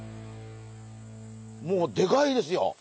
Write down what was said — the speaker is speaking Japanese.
もうでかいですよ！